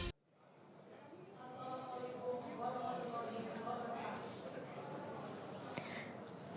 assalamualaikum warahmatullahi wabarakatuh